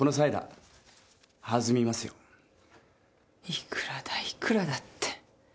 「いくらだいくらだ」って。